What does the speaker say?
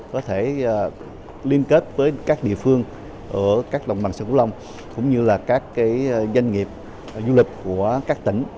có thể liên kết với các địa phương ở các đồng bằng sông cổ long cũng như là các doanh nghiệp du lịch của các tỉnh